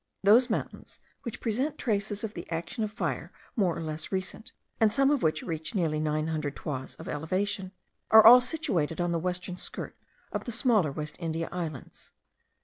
Those mountains, which present traces of the action of fire more or less recent, and some of which reach nearly nine hundred toises of elevation, are all situated on the western skirt of the smaller West India Islands.